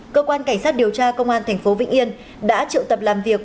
cơ quan cảnh sát điều tra công an thành phố vĩnh yên đã triệu tập làm việc